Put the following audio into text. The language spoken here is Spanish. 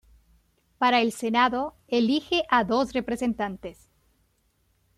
Para el Senado elige a dos representantes.